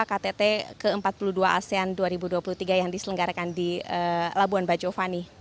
ktt ke empat puluh dua asean dua ribu dua puluh tiga yang diselenggarakan di labuan bajo fani